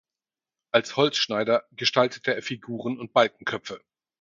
Als Holzschneider gestaltete er Figuren und Balkenköpfe.